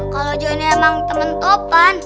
kalau joinnya emang temen topan